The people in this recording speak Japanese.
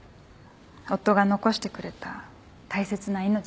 夫が残してくれた大切な命だから。